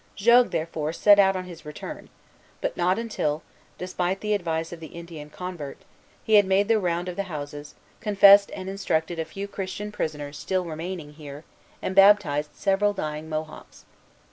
Jogues, therefore, set out on his return; but not until, despite the advice of the Indian convert, he had made the round of the houses, confessed and instructed a few Christian prisoners still remaining here, and baptized several dying Mohawks.